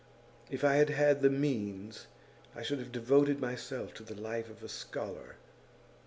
If I had had the means, I should have devoted myself to the life of a scholar.